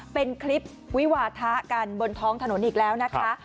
เป็นคลิปวิวาทะกันบนท้องถนนอีกแล้วนะคะ